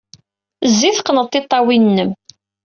Zzi, teqqned tiṭṭawin-nnem.